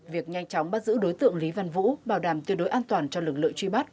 việc nhanh chóng bắt giữ đối tượng lý văn vũ bảo đảm tiêu đối an toàn cho lực lượng truy bắt